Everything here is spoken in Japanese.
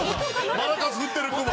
マラカス振ってるクマ！